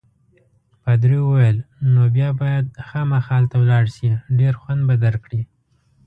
پادري وویل: نو بیا باید خامخا هلته ولاړ شې، ډېر خوند به درکړي.